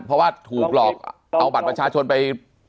เพราะว่าถูกหลอกเอาบัตรประชาชนไป